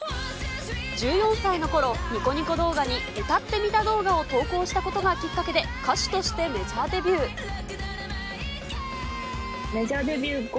１４歳のころ、ニコニコ動画に歌ってみた動画を投稿したことがきっかけで、歌手としてメジャーデビュー。